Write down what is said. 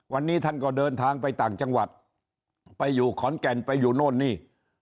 วันนี้ท่านก็เดินทางไปต่างจังหวัดไปอยู่ขอนแก่นไปอยู่โน่นนี่